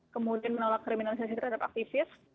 kemudian menolak kriminalisasi terhadap aktivis